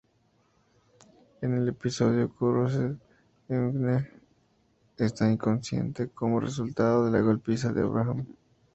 En el episodio "Crossed", Eugene está inconsciente como resultado de la golpiza de Abraham.